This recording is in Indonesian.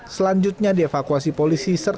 selanjutnya dievakuasi polisi